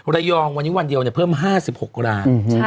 ระยองวันนี้วันเดียวเพิ่ม๕๖ราย